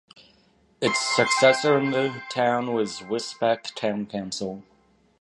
Its successor in the town was Wisbech Town Council.